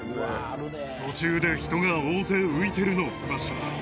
途中で人が大勢浮いてるのを見ました。